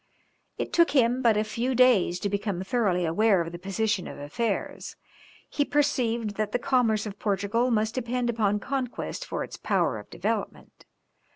It took him but a few days to become thoroughly aware of the position of affairs; he perceived that the commerce of Portugal must depend upon conquest for its power of development.